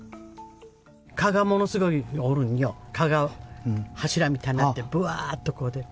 蚊がものすごいおるんよ、蚊が柱みたいになって、ぶわーっと出る。